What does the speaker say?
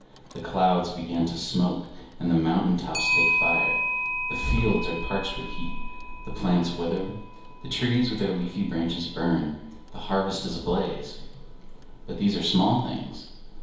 The clouds begin to smoke, and the mountain tops take fire; the fields are parched with heat, the plants wither, the trees with their leafy branches burn, the harvest is ablaze! But these are small things.